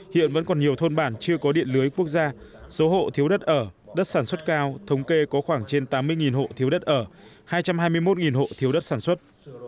hiện vẫn còn nhiều thôn bản chưa có điện lưới quốc gia số hộ thiếu đất ở đất sản xuất cao thống kê có khoảng trên tám mươi hộ thiếu đất ở hai trăm hai mươi một hộ thiếu đất sản xuất